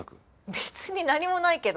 別に何もないけど。